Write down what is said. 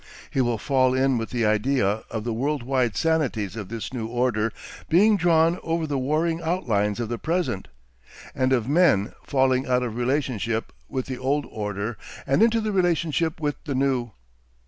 He will fall in with the idea of the world wide sanities of this new order being drawn over the warring outlines of the present, and of men falling out of relationship with the old order and into relationship with the new.